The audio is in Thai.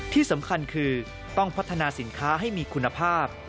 ที่สำคัญคือต้องพัฒนาสินค้าให้มีคุณภาพ